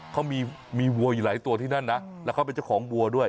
เขามีวัวอยู่หลายตัวที่นั่นนะแล้วเขาเป็นเจ้าของวัวด้วย